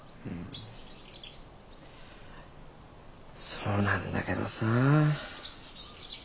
そうなんだけどさ。